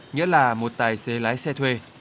nghĩa là một tài xế lái xe thuê